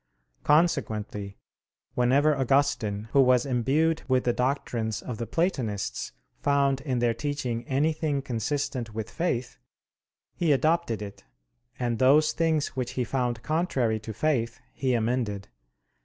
Consequently whenever Augustine, who was imbued with the doctrines of the Platonists, found in their teaching anything consistent with faith, he adopted it: and those thing which he found contrary to faith he amended.